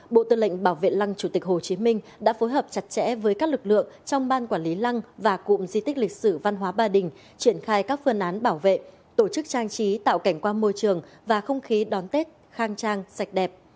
bộ tư lệnh bảo vệ lăng chủ tịch hồ chí minh đã phối hợp chặt chẽ với các lực lượng trong ban quản lý lăng và cụm di tích lịch sử văn hóa ba đình triển khai các phương án bảo vệ tổ chức trang trí tạo cảnh quan môi trường và không khí đón tết khang trang sạch đẹp